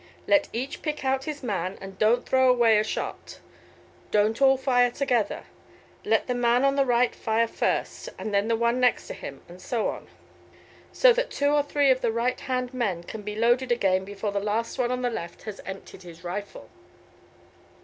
Let each pick out his man and don't throw away a shot. Don't all fire together. Let the man on the right fire first, and then the one next to him, and so on, so that two or three of the right hand men can be loaded again before the last on the left has emptied his rifle."